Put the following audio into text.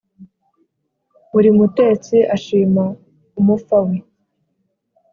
buri mutetsi ashima umufa we